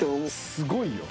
すごいよ。